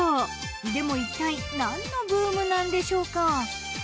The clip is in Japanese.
でもいったい何のブームなんでしょうか？